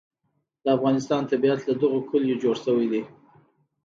د افغانستان طبیعت له دغو کلیو جوړ شوی دی.